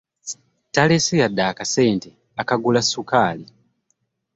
Taleese yadde akasente akagula ssukaali.